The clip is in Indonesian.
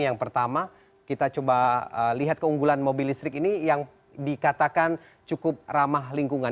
yang pertama kita coba lihat keunggulan mobil listrik ini yang dikatakan cukup ramah lingkungan